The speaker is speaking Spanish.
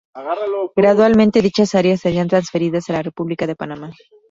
Gradualmente, dichas áreas serían transferidas a la República de Panamá.